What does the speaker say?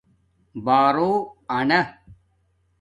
بݳرو انݳ